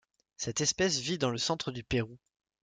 Cette espèce vit dans le centre du Pérou.